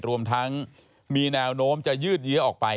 รวมทั้งมีแนวโน้มจะยืดเยื้อออกไป